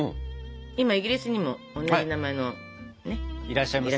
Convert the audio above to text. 今イギリスにも同じ名前のねっいらっしゃいますね。